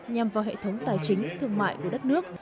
nhằm vào hệ thống tài chính thương mại của đất nước